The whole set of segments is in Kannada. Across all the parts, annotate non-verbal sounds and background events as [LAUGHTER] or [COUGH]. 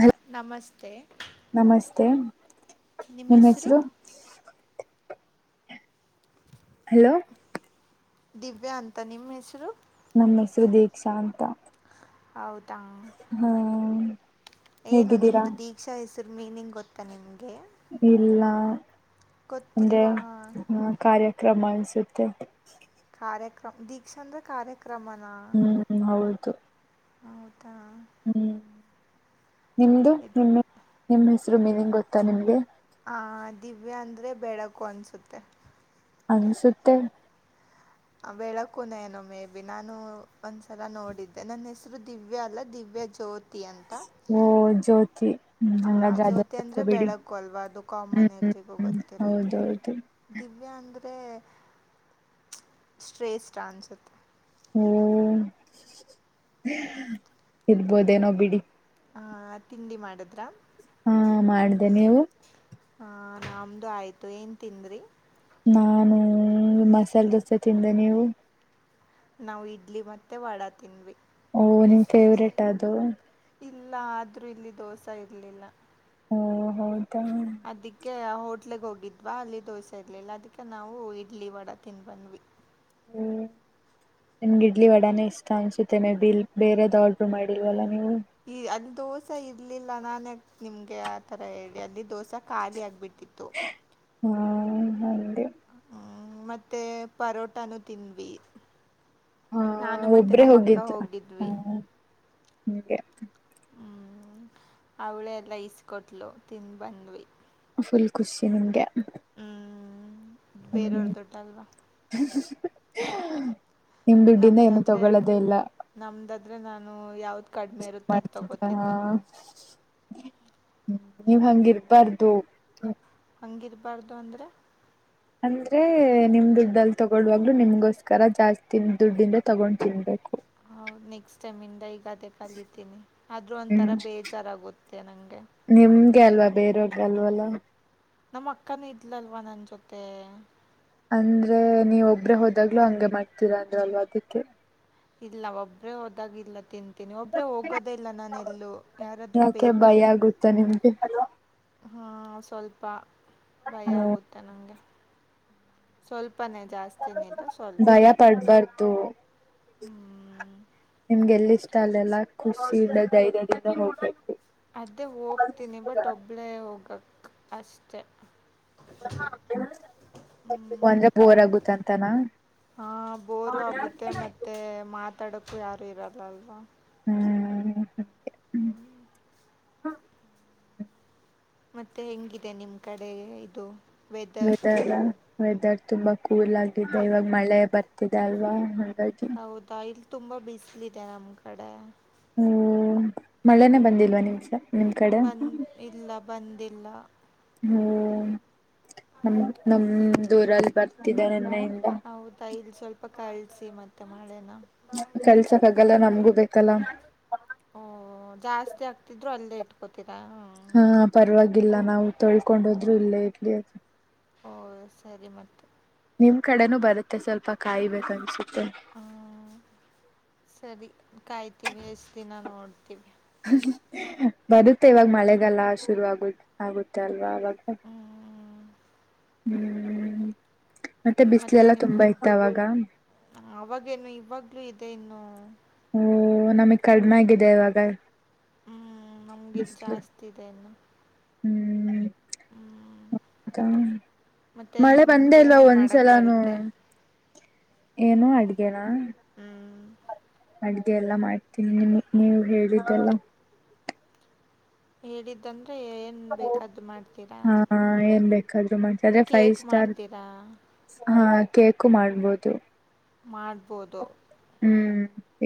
ಹಲೋ ನಮಸ್ತೆ [UNINTELLIGIBLE] ನಿಮ ಹೆಸರು ಹಲೋ ದಿವ್ಯಾ ಅಂತ ನಿಮ್ಮ್ ಹೆಸರು ನಮ್ಮ ಹೆಸರು ದೀಕ್ಷಾಂತ ಹೌದ ಹ ಏನು ಹೇಗಿದ್ದೀರಾ ನಿಮ್ದು ದೀಕ್ಷಾ ಹೆಸರು ಮೀನಿಂಗ್ ಗೊತ್ತಾ ನಿಮ್ಗೆ [UNINTELLIGIBLE] ಕಾರ್ಯ ಕ್ರಮಸುತ್ತೆ ಕಾರ್ಯಕ್ರಮ ದೀಕ್ಷಾ ಕಾರ್ಯ ಕ್ರಮಣ ಹ್ಮ್ ಹೌದು ಹೌದಾ ಹ್ಮ್ ನಿಮ್ದು ಇದ್ ನಿಮ್ಮೆ ನಿಮ್ಮ [UNINTELLIGIBLE] ಮೀನಂಗ್ ಗೊತ್ತಾ ನಿಮ್ಗೆ ಹಂ ದಿವ್ಯಾ ಅಂದರೆ ಬೆಳಕು ಅನಿಸುತ್ತೆ ಅನ್ಸುತ್ತೆ ಬೆಳಕುನ ಏನು ಮೇ ಬಿ ನಾನು ಒಂದ್ಸಲ ನೋಡಿದ್ದೆ ನನ್ನ ಹೆಸರು ದಿವ್ಯಾ ಅಲ್ಲ ದಿವ್ಯ ಜ್ಯೋತಿ ಓ ಜ್ಯೋತಿ ಹ್ಮ್ ಹಾ ಹಂಗಾದ್ರೆ ಅದೇ ಜ್ಯೋತಿ ಗೊತ್ತು ಅಂದ್ರೆ ಬಿಡಿ ಬೆಳಕು ಅಲ್ವಾ ಅದು ಹ್ಮ್ ಕಾಮನ್ ಹ್ಮ್ ಎಲ್ರಿಗೂ ಹ್ಮ್ ಗೊತ್ತಿರುತ್ತೆ ಹೌದೌದು ದಿವ ದಿವ್ಯ ಅಂದ್ರೆ ಶ್ರೇಷ್ಠ ಅನ್ಸುತ್ತೆ ಓ ಇರ್ಬೋದೇನೋ ಬಿಡಿ ಹಾ ತಿಂಡಿ ಮಾಡಿದ್ರ ಹೂಂ ಮಾಡ್ದೆೆ ನೀವು? ಹಾ ನಮ್ದು ಆಯ್ತು ಏನ್ ತಿಂದ್ರಿ ನಾನೂ ಮಸಾಲೆ ದೋಸೆ ತಿಂದೆ ನೀವು ನಾವು ಇಡ್ಲಿ ಮತ್ತೆ ವಡಾ ತಿಂದ್ವಿ. ಓ ನಿಮ್ ಫೇವ್ರೇಟಾ ಅದು? ಇಲ್ಲ ಆದ್ರೂ ಇಲ್ಲಿ ದೋಸಾ ಇರ್ಲಿಲ್ಲ. ಓ ಹೌದಾ. ಅದಕ್ಕೆ ಆ ಹೋಟ್ಲಗ್ ಹೋಗಿದ್ವ ಅಲ್ಲಿ ದೋಸೆ ಇರ್ಲಿಲ್ಲ ಅದಕ್ಕೆ ನಾವು ಇಡ್ಲಿ ವಡಾ ತಿಂದ್ ಬಂದ್ವಿ. ಹ್ಮ್, ನಿಮ್ಗ್ ಇಡ್ಲಿ ವಡಾನೆ ಇಷ್ಟ ಅನ್ಸುತ್ತೆ ಮೇ ಬಿ ಇಲ್ ಬೇರೆದ್ ಆರ್ಡ್ರು ಮಾಡಿಲ್ವಲ್ಲ ನೀವು ಈ ಅಲ್ಲ್ ದೋಸಾ ಇರ್ಲಿಲ್ ಲ್ಲ ನಾನ್ಯಾಕ್ ನಿಮ್ಗೆ ಆತರ ಹೇಳ್ಲಿ ಅಲ್ಲಿ ದೋಸಾ ಖಾಲಿ ಆಗ್ಬಿಟ್ಟ್ [UNINTELLIGIBLE] ಹ್ಞಾಂ ಹಂಗೆ ಹೂಂ ಮತ್ತೆ ಪರೋಟಾನು ತಿಂದ್ವಿ. ಹಾ ನಾನು ಮತ್ತೆ ಒಬ್ರೇ ನಮ್ ಅಕ್ಕ ಹೋಗಿದ್ದ ಹೋಗಿದ್ವಿ. ಹ [UNINTELLIGIBLE] ಹಾ ಅವಳೆ ಎಲ್ಲ ಈಸ್ಕೊಟ್ಲು ತಿಂದ್ ಬಂದ್ವಿ. ಫುಲ್ ಖುಶಿ ನಿಮ್ಗೆ? ಹ್ಮು. ಹ್ಮ್ ಬೇರೋರ್ ದುಡ್ ಅಲ್ವಾ? [UNINTELLIGIBLE] ದುಡ್ಡಿಂದ ಏನು ನಮ್ದಾದ್ರೆ ತಗೊಳೋದೇ ಇಲ್ಲ ನಮ್ದಾದ್ರೆ ನಾನು ಯಾವ್ದ್ ಕಡಿಮೆ ಇರುತ್ತೆ ಅದು ಮಾಡ್ತಿದ್ರ ಹಾ ತಗೋತಿದ್ದೆ. ನೀವ್ ಹಂಗಿರ್ಬಾರ್ದು ಹಂಗಿರಬಾರ್ದು ಅಂದರೆೆ ಅಂದ್ರೆ ನಿಮ್ ದುಡ್ಡಲ್ಲಿ ತಗೋಳ್ವಾಗ್ಲು ನಿಮ್ಗೋಸ್ಕರ ಜಾಸ್ತಿ ದುಡ್ಡಿಂದ ತಗೊಂಡ್ ತಿನ್ಬೇಕು. ಹೂಂ ನೆಕ್ಸ್ಟ್ ಟೈಮ್ ಇಂದ ಈ ಕದೆೆ ಕಲಿತೀನಿ ಆದ್ರೂ ಒಂಥರ ಹ್ಮ್ ಬೇಜಾರಾಗುತ್ತೆ ನಂಗೆ. ನಿಮ್ಗೆ ಅಲ್ವಾ ಬೇರೇರ್ದ್ ಅಲ್ವಲ್ಲ ನಮ್ಮ್ ಅಕ್ಕನೂ ಇದ್ಲಲ್ವಾ ನನ್ ಜೊತೆ ಅಂದ್ರೆ ನೀವೊಬ್ರೇ ಹೋದಾಗ್ಲೂ ಹಂಗೆ ಮಾಡ್ತೀರಾ ಅಂದ್ರ ಅಲ್ವ ಅದಕ್ಕೆ ಇಲ್ಲ ಒಬ್ಬ್ರೇ ಹೋದಾಗೆಲ್ಲ ತಿಂತ್ ಿ ಒಬ್ರೆ ಹೋಗೋದೇ ಇಲ್ಲ ನಾನೆಲ್ಲೂ ಯಾರಾದ್ರೂ ಯಾಕೆ ಬೇಕೆ ಭಯ ಆಗುತ್ತಾ ನಿಮ್ಗೆ ಹ್ಮ ಹ ಸ್ವಲ್ಪ ಭಯ ಆಗುತ್ತೆ ನಂಗೆ. ಸ್ವಲ್ಪ್ ಪ್ಪನೆ ಜಾಸ್ತಿನಲ್ಲ ಸ್ವಲ್ಪ ಭಯ ಪಡ್ಬಾರ್ದು ಹ್ಮ್ ಎಲ್ಲಿ ಇಷ್ಟ ಅಲ್ಲೆಲ್ಲಾ ಕುಷಿಂದ ಧೈರ್ಯದಿಂದ ಹೋಗ್ಬೇಕು. ಅದೇ ಹೋಗ್ತೀನಿ ಬಟ್ ಒಬ್ಬಳೆ ಹೋಗಕ್ ಅಷ್ಟ ಹ್ಮ್. ಒಂದ್ರೆ ಬೋರ್ಗುತ್ತಂತಾನ ಹಾಂ ಮಾತಡಕು ಯಾರು ಇರೋಲ್ಲ ಅಲ್ವಾ ಹ್ಮ್ ಮತ್ತೆ ಹೆಂಗಿದೆ ನಿಮ್ ಕಡೆ ಇದು ವೆದರ್ ವೆದರ್ ತುಂಬಾ ಕೂಲ್ ಆಗಿದೆ ಇವಾಗ ಮಳೆ ಬರ್ತಿದೆ ಅಲ್ವಾ ಹಾಗಾಗಿ ಹೌದಾ ಇ ತುಂಬಾ ಬಿಸಿಲ ಇದೆ ನಮ್ ಕಡೆ ಹ್ಮ್ ಮಳೆನೆೇ ಬಂದಿಲ್ವಾ ನೀವು್ಸ ಬಂದ ಇಲ್ಲ ಬಂದಿಲ್ಲ ಹ್ಮ್ ನಮ್ ನಮ್ ದೂರಲ್ಲಿ ಬರ್ತಿದ್ದ ನೆನ್ನೆ ಹೌದಾಲ್ಲಿ ಸ್ವಲ್ಪ ಕಾಲ್ ಮತ್ತೆ ಮಳೆನ ಕೆಲ್ಸಕ್ ಆಗಲ್ಲ ನಮ್ಗೂ ಬೇಕು ಕಲ ಓ ಜಾಸ್ತಿ ಆಗ್ತಿದ್ರು ಅಲ್ಲೇ ಇಟ್ಕೋತೀಾ ಹಾ ಪರವಾಗಿಲ್ಲ ನಾವು ತೊಳ್ಕೊಂಡೋದ್ರು ಇಲ್ಲೇ ಇರ್ಲಿ ಅದು ಓ ಸರಿ ಮತ್ತೆ ನಿಮ್ ಕಡೆನೂ ಬರುತ್ತೆ ಸ್ವಲ್ಪ ಕಾಯಿಬೇಕ ಅನ್ಸುತ್ತೆ ಹ್ಮ್ ಸರಿ ಕಾಯ್ತೀವಿ ಎಷ್ಟ ದಿನ ನೋಡ್ತೀವಿ ಬರುತ್ತೆ ಇವಾಗ ಮಳೆೆಗೆಲ್ಲ ಶುರು ಆಗು ಆಗುತ್ತೆ ಅಲ್ವಾ ಅವವಾಗ [INAUDIBLE] ಹ್ಮ್ ಹ್ಮ್ ಮತ್ತೆ ಬಿಸ್ಲೆಲ್ಲಾ ನಿಮ ತುಂಬಾ ಇತ್ತ ಅವಾಗ ಅವಾಗೇನು ಇವಾಗ್ಲುೂ ಇದೆ ಇನ್ನು ಓ ನಮಗ್ ಕಡಿಮೆ ಆಗಿದೆ ಇವಾಗ ಹ್ಮ್ ನಮ್ಗ ಇಲ್ ಬಿಸ್ಲು ಜಾಸ್ತಿ ಇದೆ ಇನ್ನು ಹ್ಮ್ ಹ್ಮ್ ಮತ್ತೆ ಮಳೆ ಬಂದೇ ನಿಮ್ಗೆ ಇಲ್ವಾ ಏನೇನು ಮಾಡಕ್ಕೆ ಒಂದ್ಸಲಾನೂ ಬರುತ್ತೆ ಏನು ಅಡ್ಗೇನಾ ಹ್ಮ್ ಅಡ್ಗೆ ಎಲ್ಲ ಮಾಡ್ತೀನಿ ನಿ ನೀವು ಹೇಳಿದ್ದೆಲ್ಲ ಹೇಳಿದ್ದಂತ ಅೆ ಏನ್ ಬೇಕಾದು ಮಾಡ್ತೀರಾ ಂ ಅ್ರೆ ಫೈವ್ ಕೇಕ್ ಸ್ಟಾರ್ ಮಾಡ್ತೀರಾ ಹ ಕೇಕು ಮಾಡ್ಬೋದು. ಮಾಡ್ಬೋದು.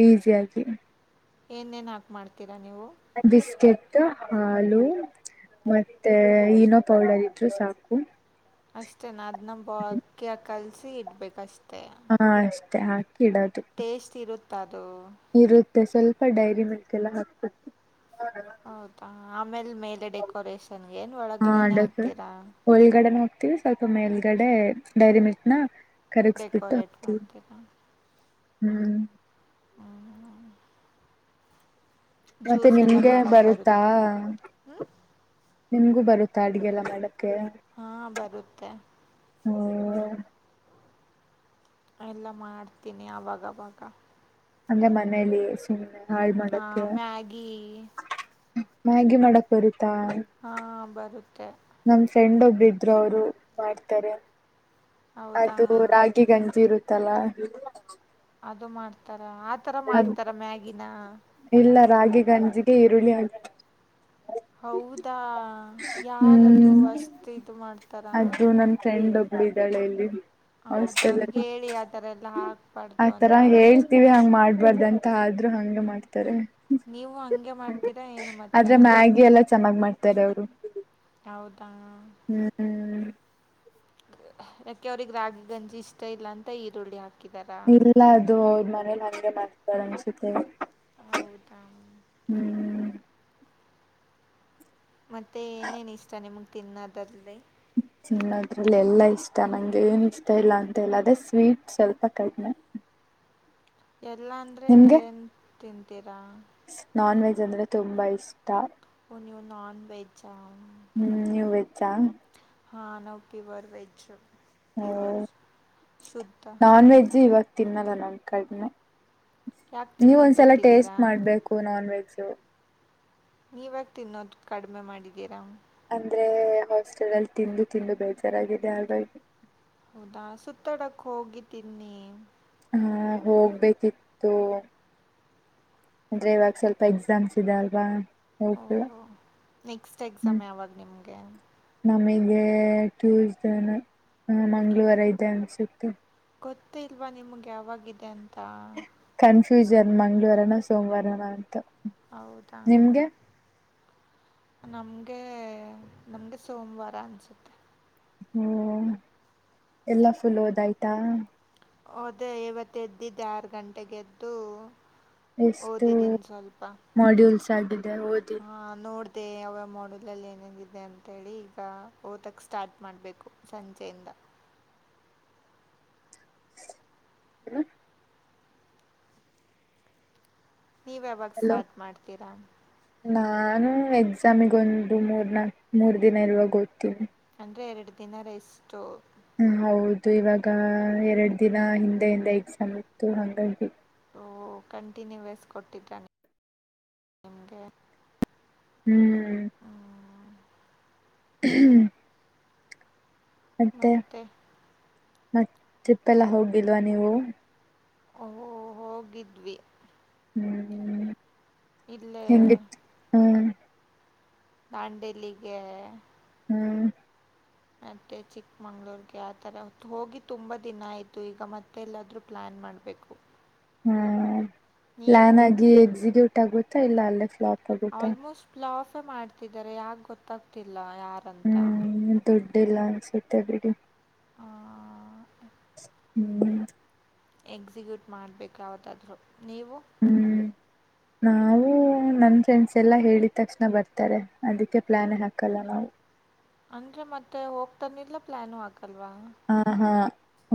ಈಸಿ ಆಗಿ ಏನೇನ್ ಹಾಕ್ ಮಾಡ್ತೀರಾ ನೀವು? ಬಿಸ್ಕೆಟ್, ಹಾಲು ಮತ್ತೆ ಈನೋ ಪೌಡರ್ ಇದ್ರು ಸಾಕು. ಅಷ್ಟೇ ನ ಅದ್ ನ ಬಕ ಕಲ್ಸಿ ಇಡ್ಬೇಕಷ್ಟೇ. ಹಾ ಅಷ್ಟೇ ಆ ಟೇಸ್ಟ್ ಇರುತ್ತೆ. ಹಾ ಮತ್ತೆ ಸ್ವಲ್ಪ ಡೈರಿ ಮೀಲ್ಕಲ್ಲಾ ಹಾಕ್ಬು ಹೌದಾ ಆಮೇಲೆ ಮೇಲೆ ಡೆಕೋರೇಷನ್ಗೆ ಏನ್ ಹಾ ಒಳಗಡೆನೆ ಡಕ್ ಆಗ್ತೀರಾ? ಒಳಗಡೆನ ಸ್ವಲ್ಪ ಮೇಲ್ಗಡೆ ಡೈರಿ ಮಿಲ್ಕ್ನ ಡೆಕೋರೇಟ್ ಮಾಡ್ತೀರಾ? ಹೂಂ ಹ್ಮ್, ಮತ್ತೆ ಜ್ಯೂಸ್ ಎಲ್ಲ ನಿಮ್ಗೆ ಮಾಡೋಕ್ಕೆ ಬರುತ್ತಾ, ಬರುತ್ತೆ ಹ್ಞೂ ನಿಮ್ಗೂ ಬರುತ್ತ. ತ ಅಡಿಗೆ ಎಲ್ಲ ಮಾಡ ಹಾ ಬರುತ್ತೆ. ಹೂ ಎಲ್ಲ ಮಾಡ್ತೀನಿ ಅವವಾಗವಾಗ. ಅಂದ್ರೆ ಮನೇಲಿ ಸುಮ್ನೆ ಹಾಳ್ ಹಾ ಮಾಡಕ್ಕೆ ಮ್ಯಗೀ ಮ್ಯಾಗಿ ಮಾಡಕ್ ಬರುತ್ತೆ. ಹಾಂ ಬರುತ್ತೆ ನನ್ ಫ್ರೆಂಡ್ ಒಬ್ಬ ಇದ್ರು ಅವ್ರು ಮಾಡ್ತಾರೆ. ಹೌದಾ ಅದು ರಾಗಿ ಗಂಜಿ ಇರುತ್ ಇ ತಲಾ ಅದು ಮಾಡ್ತಾರೆ. ಆತರ ಮಾಡ್ತಾರ ಮ್ಯಾಗಿನ? ಇಲ್ಲ ರಾಗಿ ಗಂಜಿಗೆ ಈರುಳ್ಳಿ ಹ ಹೌದಾ ಯಾರದು ಹ್ಮ್ ಅಷ್ಟು ಇದ್ ಮಾಡ್ತಾರ. ಅದು ನನ್ [UNINTELLIGIBLE] ಇಲ್ಲಿ ಹೌದ ಹಾಸ್ಟೆಲ್ ಅವ್ರಿಗೆ ಅಲ್ಲಿ ಹೇಳಿ ಆತರ ಎಲ್ಲ ಹಾಕ್ಬಾರ್ದು ಅಂತ. ಬರ್ದಂತ ಆದ್ರರು ಹಂಗೆ ಮಾಡ್ತಾರೆ. ನೀವು ಹಂಗೆ ಮಾಡ್ತೀರಾ ಏನು ಮತ್ತೆ ಚೆನ್ನಗಿ ಮಾಡ್ತಾರೆ ಅವ್ರು ಹೌದಾ ಹ್ಮ್ ಯಾಕೆ ಅವ್ರಗ್ ರಾಗಿ ಗಂಜಿ ಇಷ್ಟ ಇಲ್ಲ ಅಂತ ಈರುಳ್ಳಿ ಹಾಕತಾರೆ ಇಲ್ಲ ಅದು ಅವರ್ ಮನೇಲಿ ಹಂಗೆ ತಡಮಸತೆ ಹೌದಾ ಹ್ಮ್ ಮತ್ತೆ ಏನೇನ್ ಇಷ್ಟ ನಿಮ್ಗೆ ತಿನ್ನದದಲ್ಲಿ ತಿನ್ನದ್ರಲ್ಲಿ ಎಲ್ಲಾ ಇಷ್ಟ ನಂಗ ಏನು ಇಷ್ಟ ಇಲ್ಲ ಅಂತ ಹೇಳದ ಅದೇ ಸ್ವೀಟ್ ಸ್ವಲ್ಪ ಕಡಿಮೆ ಎಲ್ಲಾ ಅಂದ್ರೆ ನಿಮಗೆ ಏನು ತಿನ್ತೆರ ನಾನ್ ವೆಜ್ ಅಂದ್ರೆ ತುಂಬಾ ಇಷ್ಟ ನೀವ್ ನಾನ್ ವೆಜಾ ಹ್ಮ್ ನೀವ್ ವೆಚ್ಚಾ? ಹ್ಞಾಂ ನಾವ್ ಪಿವರ್ ವೆಜ್ಜು. ಓ ಪ್ಯೂವರ್ ಶುದ್ಧ ನಾನ್ ವೆಜ್ ಇವ ತಿನ್ನಲ್ಲ ನಾವ್ ಕಡ್ಮೆ. ಯಾಕೆ ನೀವ್ ತಿನ್ನೋದು ಒಂದ್ಸಲ ಟೇಸ್ಟ್ ಬಿಟ್ಟಿದ್ದೀರಾ ಮಾಡ್ಬೇಕು ನಾನ್ ವೆ [UNINTELLIGIBLE] ನೀವ್ಯಾಕ್ ತಿನ್ನೋದ್ ಕಡ್ಮೆ ಮಾಡಿದ್ದೀರಾ? ಅಂದ್ರೇ ಹಾಸ್ಟೆಲ್ ಅಲ್ ತಿಂದು ತಿಂದು ಬೇಜಾರಾಗಿದೆ ಹಾಗಾಗಿ ಹೌದಾ, ಸುತ್ತಾಡಕ್ ಹೋಗಿ ತಿನ್ನಿ. ಹ್ಮು ಹೋಗ್ಬೇಕಿತ್ತು ಅಂದ್ರೆ ಇವಾಗ್ ಸ್ವಲ್ಪ ಎಕ್ಸಾಮ್ಸ್ ಇದೆ ಅಲ್ವಾ? ಹೋಗಿಲ್ಲ ಓಹೋ ನೆಕ್ಸ್ಟ್ ಎಕ್ಸಾಮ್ ಯಾವಾಗ್ ನಿಮ್ಗೆ? ಏ ಟ್ಯೂಸ್ಡೇನು ಆ ಮಂಗಳ್ವಾರ ಇದೆ ಅನ್ಸುತ್ತೆ. ಗೊತ್ತೇ ಇಲ್ವಾ ನಿಮ್ಗ್ ಯಾವಾಗಿದೆ ಅಂತ? ಕನ್ಫ್ಯೂಸ್ ಅದ್ ಮಂಗ್ಳ್ವಾರನ ಸೋಮವಾರನ ಅಂತ. ಹೌದಾ? ನಿಮ್ಗೆ ನಮ್ಗೇ ನಮ್ಗೆ ಸೋಮ್ವಾರ ಅನ್ಸುತ್ತೆ. ಹ್ಮ್, ಎಲ್ಲಾ ಫುಲ್ ಓದಾಯ್ತಾ? ಓಅದೇ ಇವತ್ ಎದ್ದಿದ್ ಆರ್ ಗಂಟೆಗ್ ಎದ್ದು ಎಷ್ಟು ಓದಿದ್ದೀನಿ ಸ್ವಲ್ಪ ಮಾಡ್ಯೂಲ್ಸ್ [UNINTELLIGIBLE] [UNINTELLIGIBLE] ಮ ಅವ ಮಾಡಲಲ್ಲಿ ಏನ ಎನ್ ಇದೆ ಅಂತೇಳಿ ಈಗ ಓದಕ್ ಸ್ಟಾರ್ಟ್ ಮಾಡ್ಬೇಕು ಸಂಜೆಯಿಂದ [UNINTELLIGIBLE] ನೀವ ಯಾವಾಗ ಹಲೋ ಸ್ಟಾರ್ಟ್ ಮಾಡ್ತೀರಾ ನಾನು ಎಕ್ಸಾಮಗ ಒಂದು ಮೂರ್ನಾಲ್ಕು ಮೂರು ದಿನ ಇರುವಾಗ ಓದ್ತೀನಿ ಅಂದರೆ ಎರಡು ದಿನ ರೆಸ್ಟ್ ಹ ಹೌದು ಇವಾಗ ಎರಡು ದಿನ ಹಿಂದೆ ಹಿಂದೆ ಎಕ್ಸಾಮ್ ಇತ್ತು ಹಂಗಾಗಿ ಕಂಟಿನ್ಯೂವಸ್ ಕೊಟ್ಟಿದ್ದಾನೆ ನಿಮ್ಗೆ ಹ್ಮ್ ಹ್ಮ್ ಮತ್ತೆ ಮತ್ತೆ ಟಿಪ್ಪೆಲ್ಲ ಹೋಗಿಲ್ವಾ ನೀವು ಓ ಹೋಗಿದ್ವಿ ಹ್ಮ್ ಇಲ್ಲೇ ಹೆಂಗಿತ್ತು ಹ್ಮ ದಾಂಡೇಲಿಗೆ ಹ್ಮ್ ಮತ್ತೆ ಚಿಕ್ಕಮಂಗ್ಳೂರ್ಗೆ ಆ ಥರ ಹೋಗಿ ತುಂಬ ದಿನ ಆಯ್ತು ಈಗ ಮತ್ತೆಲ್ಲಾದ್ರೂ ಪ್ಲಾನ್ ಮಾಡ್ಬೇಕು ಹ್ಮ್ ಪ್ಲಾನ್ ಆಗಿ ಎಕ್ಸಿಕ್ಯೂಟ್ ಆಗುತ್ತೆ ಇಲ್ಲ ಅಲ್ಲ ಫ್ಲಾಪ್ ಆಗುತ್ತಾ ಆಲ್ಮೋಸ್ಟ್ ಫ್ಲಾಪ್ ಮಾಡ್ತಿದಿದ್ದಾರೆ ಯಾಕ್ ಗೊತ್ತಾಗ್ತಿಲ್ಲ ಯಾರಂಥ ದುಡ್ಡಿ ಇಲ್ಲ ಅನ್ಸುತ್ತೆ ಬಿಡಿ [INAUDIBLE] ಹ್ಮ್ ಎಕ್ಸಿಕ್ಯೂಟ್ ಮಾಡ್ಬೇಕಾವತ್ತಾದ್ರು ನೀವು ಹ್ಮ್ ನಾವು ನನ್ನ ಫ್ರೆಂಡ್ಸ್ ಎಲ್ಲ ಹೇಳಿದ ತಕ್ಷಣ ಬರ್ತಾರೆ ಅದಕ್ಕೆ ಪ್ಲಾನ್ ಹಾಕಲ್ಲ ನಾವು ಅಂದ್ರೆ ಮತ್ತೆ ಹೋಗ್ತಾನಿಲ್ಲ ಪ್ಲಾಾನು ಅಕಲ್ವಾ ಹಾ ಹಾ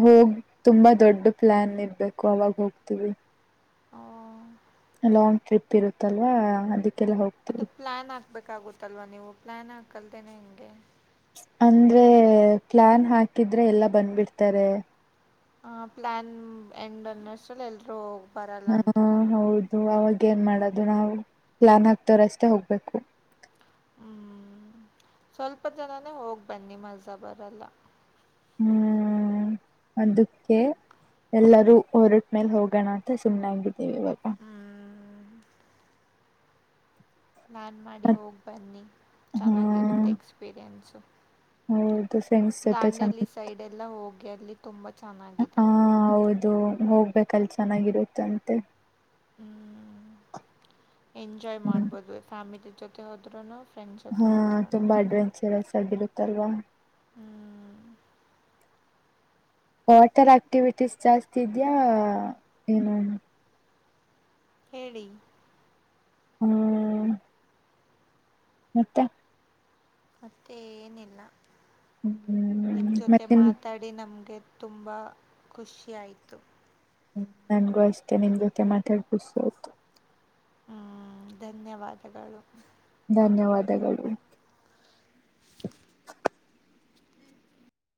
ಹೋಗ್ ತುಂಬಾ ದೊಡ್ಡ ಪ್ಲಾನ್ ಇರ್ಬೇಕು ಅವಾಗ ಹೋಗ್ತೀವಿ ಲಾಂಗ್ ಟ್ರಿಪ್ ಇರುತ್ತಲ್ವಾ ಅದಕ್ಕೆ ಅದು ಪ್ಲಾನ್ ಆಗ್ತ ಬೇಕಾಗುತ್ತಲ್ವಾ ನೀವು ಪ್ಲಾನ್ ಆಾಕಲ್ತೇನೆ ಹೆಂಗೆ ಅಂದ್ರೆ ಪ್ಲಾನ್ ಹಾಕಿದ್ರೆ ಎಲ್ಲಾ ಬಂದ್ಬಿಡ್ತಾರೆ ಹ ಪ್ಲಾನ್ ಎಂಡ್ ಅನ್ನಷ್ಟಲ್ಲ ಎಲ್ರುೂ ಹಾ ಹೌದು ಅವಾಗ ಏನ್ ಮಾಡೋದು ನಾವು ಪ್ಲಾನ್ ಆಗ್ತವ್ರ ಅಷ್ಟೇ ಹೋಗ್ಬೇಕು ಹ್ಮ್ ಸ್ವಲ್ಪ ಜನಾನೇ ಹೋಗ್ ಬನ್ನಿ ಮಜಾಬರ್ಲ್ಲ ಹ್ಮ್ ಅದಕ್ಕೆ ಎಲ್ಲರೂ ಹೊರಟ್ಮೇಲೆ ಹೋಗೋಣ ಅಂತ ಸುಮ್ನಾಗ್ಬಿಟ್ವಿ [UNINTELLIGIBLE] ಹ್ಮ್ ಪ್ಲಾನ್ ಮಾಡಿ ಮತ್ ಹೋಗಿ ಬನ್ನಿ ಹಾ ಚೆನ್ನಾಗಿರುತ್ತೆ ಎಕ್ಸ್ಪೀರಿಯೆನ್ಸು ಹೌದು ಫ್ರೆಂಡ್ಸ್ ಜೊತೆ ದಾಂಡೇಲಿ ಚೆನ್ನಾಗಿತ್ತು ಸೈಡ್ ಎಲ್ಲ ಹೋಗಿ ಅಲ್ಲಿ ತುಂಬ ಚೆನ್ನಾಗಿದೆ ಹೌದು ಹೋಗ್ಬೇಕಲ್ ಚೆನ್ನಾಗಿರುತ್ತಂತೆ ಹ್ಮಞ ಎಂಜಾಯ್ ಹ್ಮ್ ಮಾಡ್ಬೋದು ಫ್ಯಾಮಿಲಿ ಜೊತೆಭದ್ರನಾಥ್ ಹಾ ತುಂಬಾ ಅಡ್ವೆಂಚರಸ್ ಆಗಿರುತ್ತಲ್ವಾ ಹ್ಮ್ ವಾಟರ್ ಆಕ್ಟಿವಿಟೀಸ್ ಜಾಸ್ತಿ ಇದ್ಯಾ ಏನು ಹೇಳಿ ಹ್ಮ್ ಮತ್ತೆ ಅಷ್ಟೇ ಏನಿಲ್ಲ ನಿಮ್ ಹ್ಮ್ ಜೊತೆ ಮತ್ತೆ ನಿಮ್ ಮಾತಾಡಿ ನಮ್ಗೆ ತುಂಬಾ ಖುಷಿ ಆಯ್ತು ನನ಼ು ಅಸ್ಟೇ ನಿಮ ಜೋತೆಮಾತಾಡಿ ಖುಷಿಯಾತ ಹ್ಮ್ ಧನ್ಯವಾದಗಳು ಧನ್ಯವಾದಗಳು